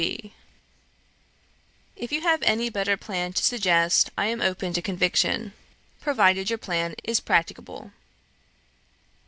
C. B. C. B. C. B. C. B. "If you have any better plan to suggest I am open to conviction, provided your plan is practicable."